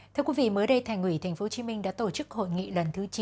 thưa quý vị mới đây thành ủy tp hcm đã tổ chức hội nghị lần thứ chín